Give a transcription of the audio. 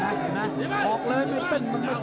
นี่คือยอดมวยแท้รักที่ตรงนี้ครับ